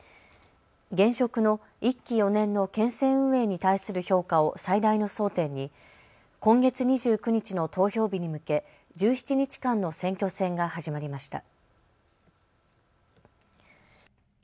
現職の１期４年の県政運営に対する評価を最大の争点に今月２９日の投票日に向け１７日間の選挙戦が始まりました。